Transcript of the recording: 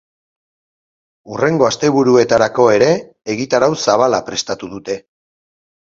Hurrengo asteburuetarako ere, egitarau zabala prestatu dute.